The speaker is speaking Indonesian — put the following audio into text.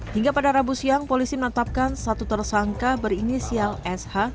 hingga pada rabu siang polisi menetapkan satu tersangka berinisial sh